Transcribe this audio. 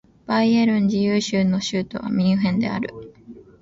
バイエルン自由州の州都はミュンヘンである